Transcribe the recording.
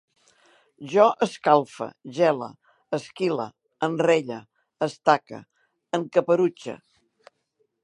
Jo escalfe, gele, esquile, enrelle, estaque, encaperutxe